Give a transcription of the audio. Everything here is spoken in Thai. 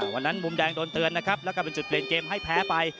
มุมแดงโดนเตือนนะครับแล้วก็เป็นจุดเปลี่ยนเกมให้แพ้ไป